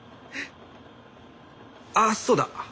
あっそうだ。